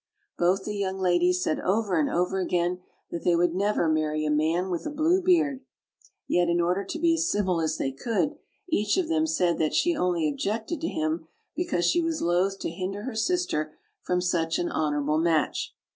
Both the young ladies said over and over again that they would never marry a man with a blue beard; yet, in order to be as civil as they could, each of them said that she only objected to him because she was loath to hinder her sister from such an honorable match.